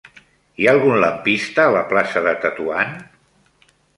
Hi ha algun lampista a la plaça de Tetuan?